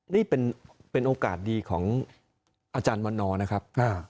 นี่เป็นโอกาสดีของอาจารย์วันนอร์นะครับ